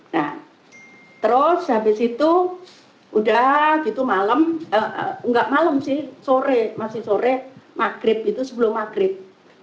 nah terus habis itu udah gitu malam enggak malam sih sore masih sore maghrib itu sebelum maghrib